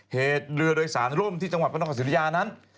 เหตุเรือโดยสารล่มที่จังหวัดพระนครศิริยานั้น